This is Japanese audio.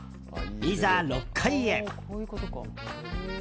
いざ、６階へ。